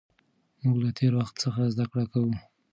موږ له تېر وخت څخه زده کړه کوو.